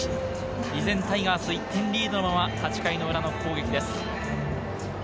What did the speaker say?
依然タイガース１点リードのまま８回の裏の攻撃です。